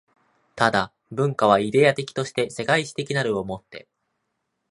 但、文化はイデヤ的として世界史的なるを以て